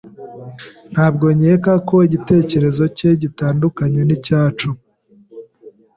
Ntabwo nkeka ko igitekerezo cye gitandukanye nicyacu.